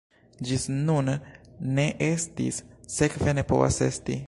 Ĝis nun ne estis, sekve ne povas esti!